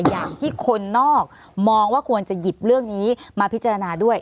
อย่างที่คนนอกมองว่าควรจะหยิบเรื่องนี้มาพิจารณาด้วย